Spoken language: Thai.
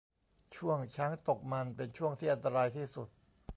ช่วงช้างตกมันเป็นช่วงที่อันตรายที่สุด